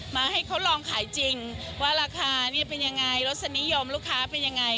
มาให้เขาลองขายจริงว่าราคานี่เป็นยังไงรสนิยมลูกค้าเป็นยังไง